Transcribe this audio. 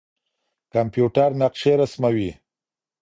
کمپيوټر نقشې رسموي.